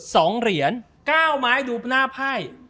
สองเหรียญเก้าไม้ดูหน้าไพ่